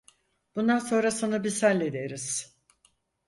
Bundan sonrasını biz hallederiz.